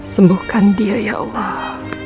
sembuhkan dia ya allah